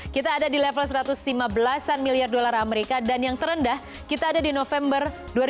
kita ada di level satu ratus lima belas an miliar dolar amerika dan yang terendah kita ada di november dua ribu dua puluh